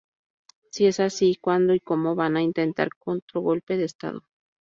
Si es así, ¿cuándo y cómo va a intentar otro golpe de estado?